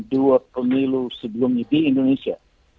duet pemilu sebelumnya di indonesia